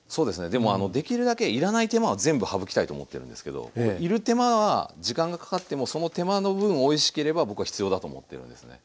でもできるだけ要らない手間は全部省きたいと思ってるんですけど要る手間は時間がかかってもその手間の分おいしければ僕は必要だと思ってるんですね。